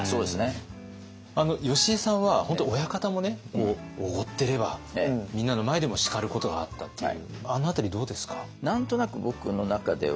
よしえさんは本当親方もおごってればみんなの前でも叱ることがあったっていうあの辺りどうですか？